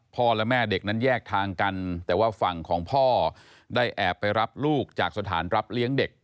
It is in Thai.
และแม่เด็กนั้นแยกทางกันแต่ว่าฝั่งของพ่อได้แอบไปรับลูกจากสถานรับเลี้ยงเด็ก